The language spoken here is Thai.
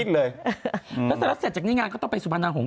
แล้วเสร็จจากนี้งานก็ต้องไปสุภานานหงษ์